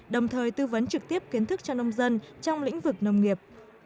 đồng thời tư vấn trực tiếp kiến thức cho nông dân trong lĩnh vực nông nghiệp